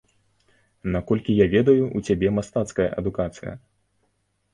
Наколькі я ведаю, у цябе мастацкая адукацыя.